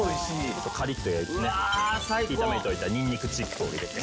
ちょっとカリッと焼いてね炒めておいたニンニクチップを入れて。